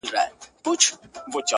کله چې په تنقیدي غونډه کې